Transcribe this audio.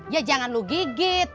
ya jangan lu gigit